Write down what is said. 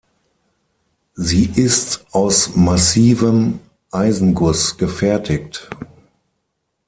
Sie ist aus massivem Eisenguss gefertigt.